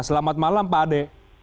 selamat malam pak ade